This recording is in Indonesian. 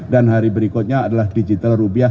dan hari berikutnya adalah digital rupiah